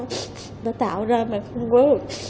nó tạo ra mà không có